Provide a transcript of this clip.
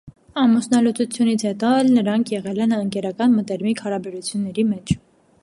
Ամուսնալուծությունից հետո էլ նրանք եղել են ընկերական մտերմիկ հարաբերությունների մեջ։